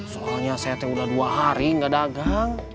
soalnya saya udah dua hari gak dagang